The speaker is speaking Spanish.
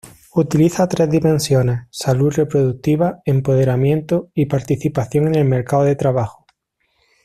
Utiliza tres dimensiones: salud reproductiva, empoderamiento, y participación en el mercado de trabajo.